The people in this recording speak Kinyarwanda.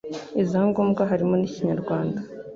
iza ngombwa harimo n'ikinyarwanda